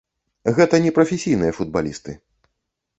Гэта не прафесійныя футбалісты.